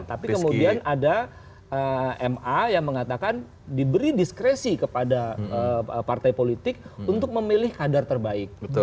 tapi kemudian ada ma yang mengatakan diberi diskresi kepada partai politik untuk memilih kader terbaik